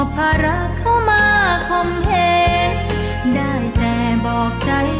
โปรดติดตามตอนต่อไป